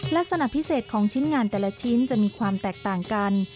ลักษณะพิเศษของชิ้นงานแต่ละชิ้นจะมีความแตกต่างกัน